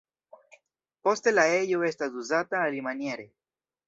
Poste la ejo estas uzata alimaniere.